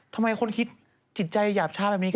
ทำไมคนคิดจิตใจหยาบช้าแบบนี้